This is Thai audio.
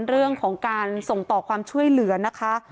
เรื่องของการส่งต่อความช่วยเหลือนะคะ